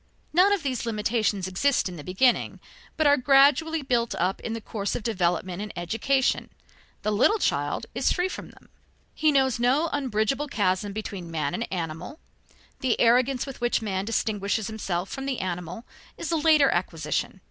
None of these limitations exist in the beginning, but are gradually built up in the course of development and education. The little child is free from them. He knows no unbridgable chasm between man and animal; the arrogance with which man distinguishes himself from the animal is a later acquisition.